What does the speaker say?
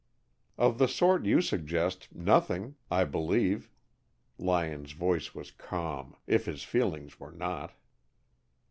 "Of the sort you suggest, nothing, I believe." Lyon's voice was calm, If his feelings were not.